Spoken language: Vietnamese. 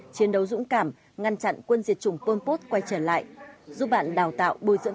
chiến đấu dũng cảm ngăn chặn quân diệt chủng pompos quay trở lại giúp bạn đào tạo bồi dưỡng